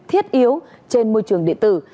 thiết yếu trên môi trường địa tử